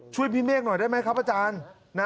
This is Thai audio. ช่วยพี่เมฆหน่อยได้ไหมครับอาจารย์